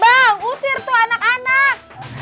bang usir tuh anak anak